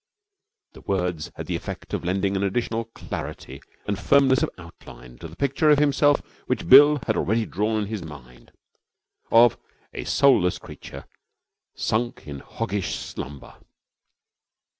The words had the effect of lending an additional clarity and firmness of outline to the picture of himself which Bill had already drawn in his mind of a soulless creature sunk in hoggish slumber.